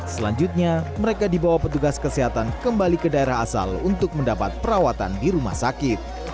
selanjutnya mereka dibawa petugas kesehatan kembali ke daerah asal untuk mendapat perawatan di rumah sakit